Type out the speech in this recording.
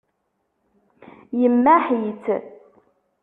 Yemmaḥ-itt.